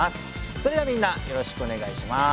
それではみんなよろしくおねがいします。